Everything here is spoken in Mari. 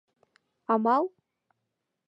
— Амал?